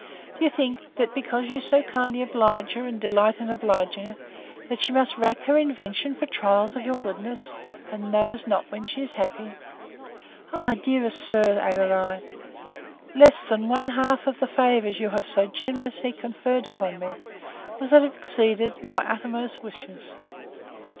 Do you think, that because you so kindly oblige her, and delight in obliging her, that she must rack her invention for trials of your goodness, and knows not when she's happy?—O my dearest sir, added I, less than one half of the favours you have so generously conferred upon me, would have exceeded my utmost wishes!